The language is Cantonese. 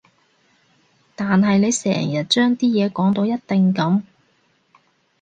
但係你成日將啲嘢講到一定噉